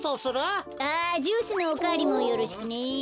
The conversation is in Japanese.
あジュースのおかわりもよろしくね。